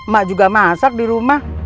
mak juga masak di rumah